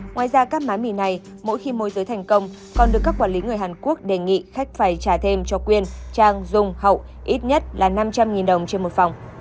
ngoài ra các mái mì này mỗi khi môi giới thành công còn được các quản lý người hàn quốc đề nghị khách phải trả thêm cho quyên trang dung hậu ít nhất là năm trăm linh đồng trên một phòng